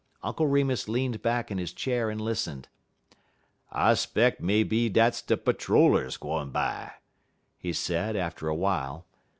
Uncle Remus leaned back in his chair and listened. "I 'speck may be dat's de patter rollers gwine by," he said, after a while.